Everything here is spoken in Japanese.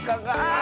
あ！